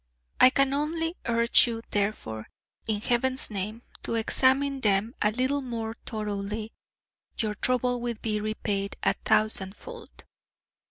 I can only urge you, therefore, in Heaven's name, to examine them a little more thoroughly; your trouble will be repaid a thousandfold.